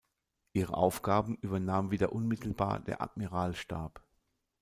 Ihre Aufgaben übernahm wieder unmittelbar der Admiralstab.